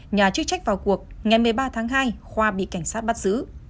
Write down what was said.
nhà chức trách vào cuộc ngày một mươi ba tháng hai khoa bị cảnh sát bắt giữ